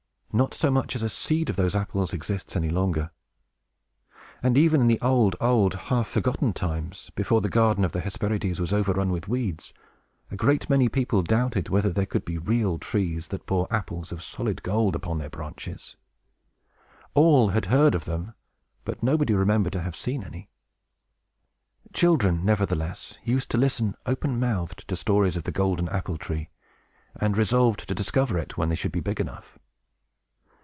Not so much as a seed of those apples exists any longer. And, even in the old, old, half forgotten times, before the garden of the Hesperides was overrun with weeds, a great many people doubted whether there could be real trees that bore apples of solid gold upon their branches. All had heard of them, but nobody remembered to have seen any. Children, nevertheless, used to listen, open mouthed, to stories of the golden apple tree, and resolved to discover it, when they should be big enough.